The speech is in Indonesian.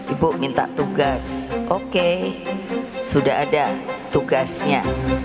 ibu minta tugas oke sudah ada tugasnya